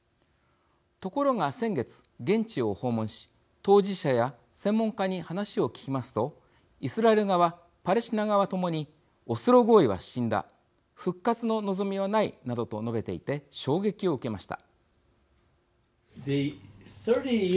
ところが先月、現地を訪問し当事者や専門家に話を聞きますとイスラエル側パレスチナ側ともにオスロ合意は死んだ復活の望みはないなどと述べていて、衝撃を受けました。